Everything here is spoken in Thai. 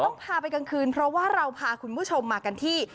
พาไปกลางคืนเพราะว่าเราพาคุณผู้ชมมากันที่